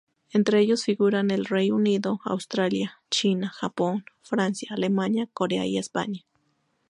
Entre ellos figuran el Reino Unido, Australia, China, Japón, Francia, Alemania, Corea y España.